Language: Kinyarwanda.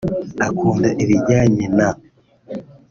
Akunda ibijyanye n